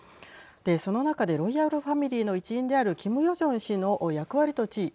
その中でロイヤルファミリーの一員であるキム・ヨジョン氏の役割と地位。